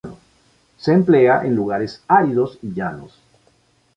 Se emplea en lugares áridos y llanos.